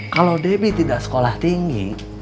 kalau debbie tidak sekolah tinggi